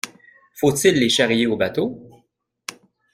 Faut-il les charrier aux bateaux?